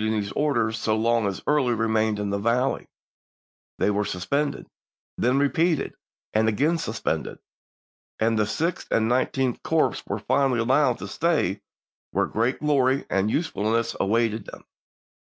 ing these orders, so long as Early remained in the valley; they were suspended, then repeated and again suspended, and the Sixth and Nineteenth Corps were finally allowed to stay where great glory and usefulness awaited them.